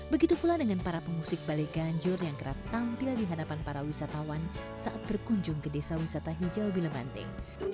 begitu pula dengan para pemusik balai ganjur yang kerap tampil di hadapan para wisatawan saat berkunjung ke desa wisata hijau bilemanting